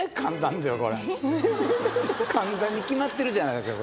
ふふっ簡単に決まってるじゃないですか